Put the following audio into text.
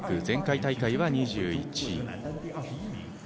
前回大会は２１位。